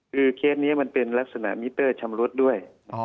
คือเคสนี้มันเป็นลักษณะมิเตอร์ชำรุดด้วย